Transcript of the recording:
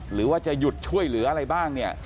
หรือว่าจะหยุดช่วยเหลืออะไรบ้างเนี่ย